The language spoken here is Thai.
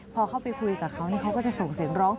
พอเข้าไปคุยกับเขาเขาก็จะส่งเสียงร้อง